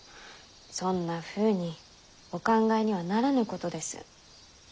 そんなふうにお考えにはならぬことです。